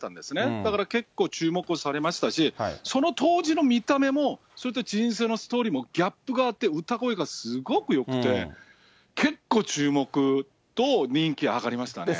だから結構注目されましたし、その当時の見た目も、それと人生のストーリーもギャップがあって、歌声がすごくよくて、結構、注目と人気が上がりましたね。